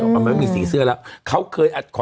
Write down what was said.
มันไม่มีสีเสื้อแล้วเขาเคยอัดขอ